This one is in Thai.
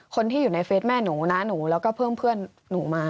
คนที่อยู่ในเฟสแม่หนูน้าหนูแล้วก็เพื่อนหนูมา